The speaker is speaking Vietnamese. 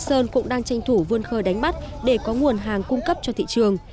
sơn cũng đang tranh thủ vươn khơi đánh bắt để có nguồn hàng cung cấp cho thị trường